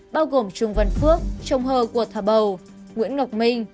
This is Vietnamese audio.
bao gồm trường văn phước trông hờ của thảo bầu nguyễn ngọc minh